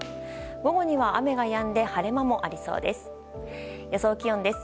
午後には雨がやんで晴れ間もありそうです。